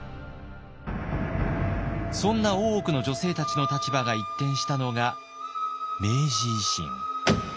そんな大奥の女性たちの立場が一転したのが明治維新。